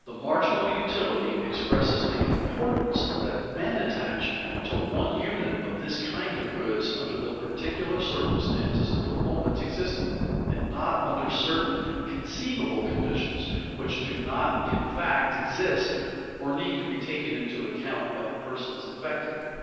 The marginal utility expresses the importance that men attach to one unit of this kind of goods under the particular circumstances at the moment existing, and not under certain conceivable conditions which do not in fact exist or need to be taken into account by the persons affected.